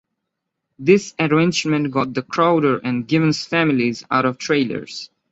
This arrangement got the Crowder and Givens families out of trailers.